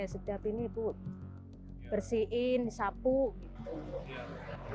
setiap ini tuh bersihin sapu gitu